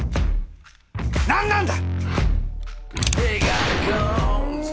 何なんだ！